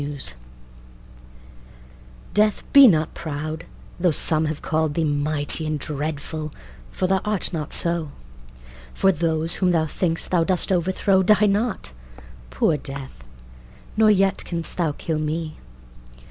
Death DEATH, be not proud, though some have called thee Mighty and dreadful, for thou art not so: For those whom thou think'st thou dost overthrow Die not, poor Death; nor yet canst thou kill me.